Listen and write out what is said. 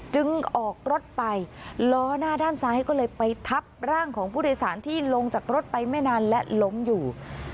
ออกรถไปล้อหน้าด้านซ้ายก็เลยไปทับร่างของผู้โดยสารที่ลงจากรถไปไม่นานและล้มอยู่